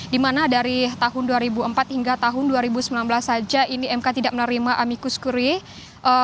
dimana dari tahun dua ribu empat hingga tahun dua ribu sembilan belas saja ini mk tidak menerima amicus curie